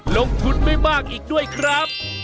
ลงทุนไม่มากอีกด้วยครับ